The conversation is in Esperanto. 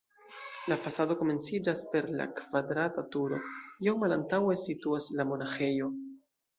La fasado komenciĝas per la kvadrata turo, iom malantaŭe situas la monaĥejo.